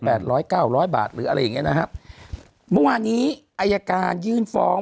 แปดร้อย๙๐๐บาทหรืออะไรอย่างนี้นะครับว่านี้อัยการยื่นฟ้อง